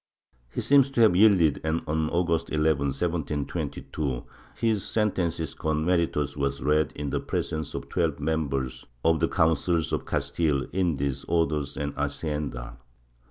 He seems to have yielded and, on August 11, 1722, his sentence con meritos was read in the presence of twelve members of the Councils of Castile, Indies, Orders and Hacienda.